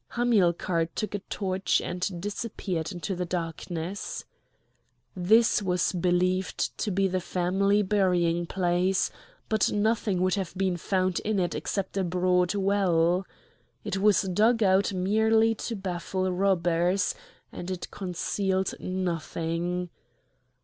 Hamilcar took a torch and disappeared into the darkness. This was believed to be the family burying place; but nothing would have been found in it except a broad well. It was dug out merely to baffle robbers, and it concealed nothing.